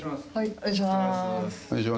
お願いします。